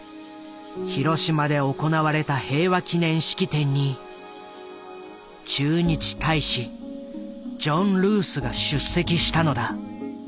広島で行われた平和記念式典に駐日大使ジョン・ルースが出席したのだ。